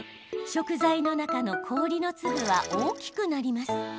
食材の中の氷の粒は大きくなります。